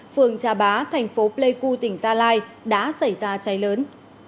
phường trà bá thành phố pleiku tỉnh gia lai đã xảy ra cháy lớn